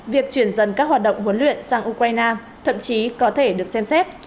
việc chuyển dần các hoạt động huấn luyện sang ukraine thậm chí có thể được xem xét